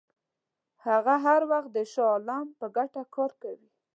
هغه هر وخت د شاه عالم په ګټه کار کوي.